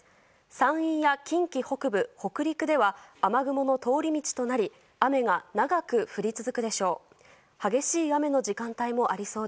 山陰や近畿北部、北陸では雨雲の通り道となり雨が長く降り続くでしょう。